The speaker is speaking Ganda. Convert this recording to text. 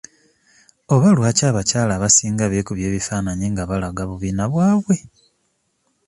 Oba lwaki abakyala abasinga beekubya ebifaananyi nga balaga bubina bwabwe?